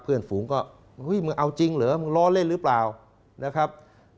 เพื่อนฝูงก็มึงเอาจริงเหรอมึงล้อเล่นหรือเปล่านะครับ